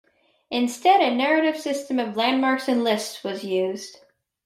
Instead a narrative system of landmarks and lists was used.